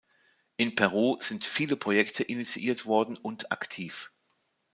In Peru sind viele Projekte initiiert worden und aktiv.